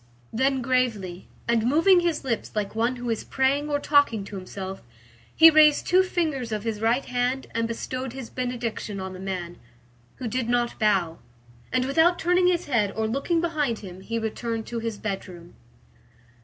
Then gravely, and moving his lips like one who is praying or talking to himself, he raised two fingers of his right hand and bestowed his benediction on the man, who did not bow, and without turning his head or looking behind him, he returned to his bedroom.